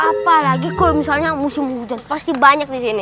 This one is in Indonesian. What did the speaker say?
apa lagi kalo misalnya musim hujan pasti banyak disini